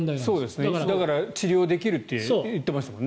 だから治療できると言ってましたもんね。